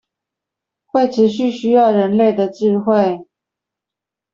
會持續需要人類的智慧